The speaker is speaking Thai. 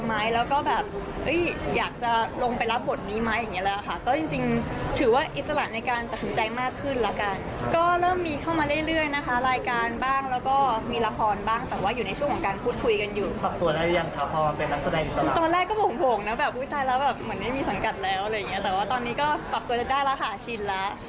แต่ว่าตอนนี้ก็ปรับตัวได้แล้วค่ะชินแล้วรู้สึกสบายใจมากขึ้น